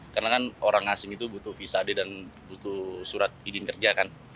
karena kan orang asing itu butuh visa d dan butuh surat izin kerja kan